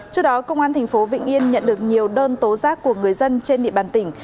trước đó công an tp vĩnh yên nhận được nhiều đơn tố giác của người dân trên địa bàn tỉnh